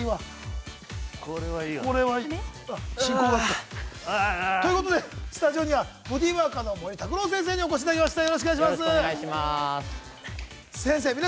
これはいいわ。ということでスタジオには、ボディワーカーの森拓郎先生にお越しいただきました。